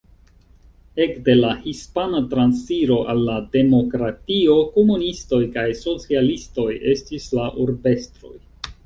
Ekde la Hispana Transiro al la Demokratio komunistoj kaj socialistoj estis la urbestroj.